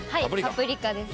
『パプリカ』です。